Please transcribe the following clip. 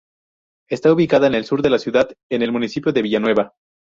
Está ubicada en el sur de la Ciudad, en el municipio de Villa Nueva.